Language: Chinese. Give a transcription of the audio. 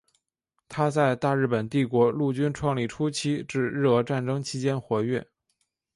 他在大日本帝国陆军创立初期至日俄战争期间活跃。